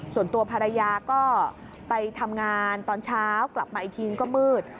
ส่วนตัวภรรยาก็ไปทำงานตอนเช้ากลับมาอีกทีก็มืด